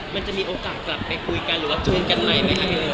มันจะมีโอกาสกลับไปคุยกันหรือว่าช่วยกันใหม่ไม่ได้เลย